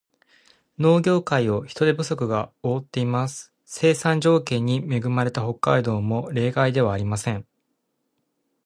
農業界を人手不足が覆っています。生産条件に恵まれた北海道も例外ではありません。